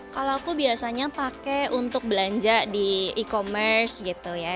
kalau aku biasanya pakai untuk belanja di e commerce gitu ya